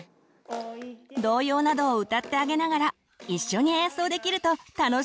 童謡などを歌ってあげながら一緒に演奏できると楽しいですよ。